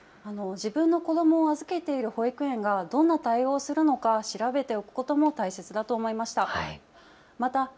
自分の子どもを預けている保育園がどんな対応をするのか調べておくことも大切だと思いました。